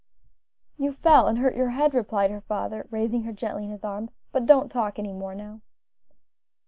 "You fell and hurt your head," replied her father, raising her gently in his arms; "but don't talk any more now."